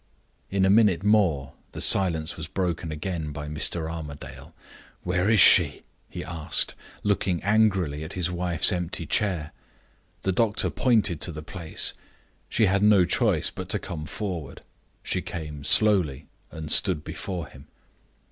In a minute more the silence was broken again by Mr. Armadale. "Where is she?" he asked, looking angrily at his wife's empty chair. The doctor pointed to the place. She had no choice but to come forward. She came slowly and stood before him.